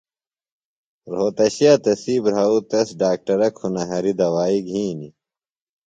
رھوتشیہ تسی بھراؤ تس ڈاکٹرہ کُھنہ ہریۡ دوائی گِھینیۡ۔